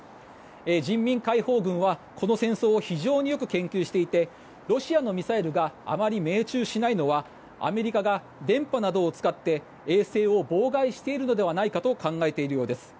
人民解放軍は、この戦争を非常によく研究していてロシアのミサイルがあまり命中しないのはアメリカが電波などを使って衛星を妨害しているのではないかと考えているようです。